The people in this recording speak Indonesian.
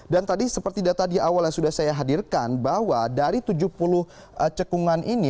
dan tadi seperti data di awal yang sudah saya hadirkan bahwa dari tujuh puluh cekungan ini